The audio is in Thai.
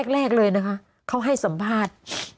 แรกเลยนะคะเขาให้สัมภาษณ์